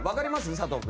佐藤君。